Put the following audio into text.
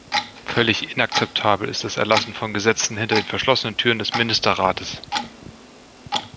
Völlig inakzeptabel ist das Erlassen von Gesetzen hinter den verschlossenen Türen des Ministerrates.